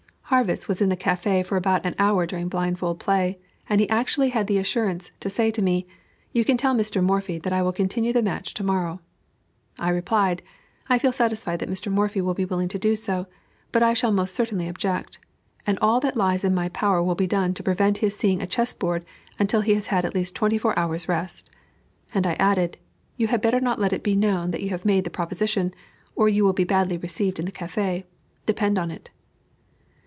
Harrwitz was in the café for about an hour during blindfold play, and he actually had the assurance to say to me, "You can tell Mr. Morphy, that I will continue the match to morrow." I replied: "I feel satisfied that Mr. Morphy will be willing to do so, but I shall most certainly object, and all that lies in my power will be done to prevent his seeing a chess board until he has had at least twenty four hours' rest." And I added: "You had better not let it be known that you have made the proposition, or you will be badly received in the café, depend upon it."